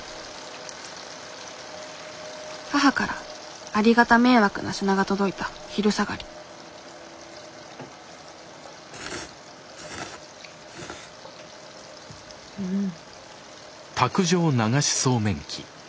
母からありがた迷惑な品が届いた昼下がりうん。